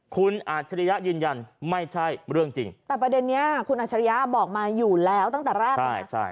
คุณอัจฉริยะยืนยันไม่ใช่เรื่องจริงแต่ประเด็นนี้คุณอัชริยะบอกมาอยู่แล้วตั้งแต่แรกเลย